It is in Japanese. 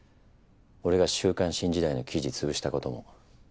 俺が「週刊新時代」の記事潰したことも。